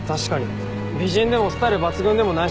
美人でもスタイル抜群でもないしな。